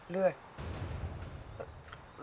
เลื่อย